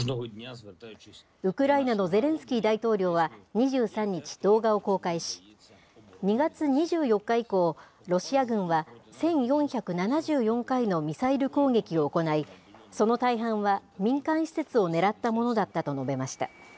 ウクライナのゼレンスキー大統領は２３日、動画を公開し、２月２４日以降、ロシア軍は、１４７４回のミサイル攻撃を行い、その大半は民間施設を狙ったものだったと述べました。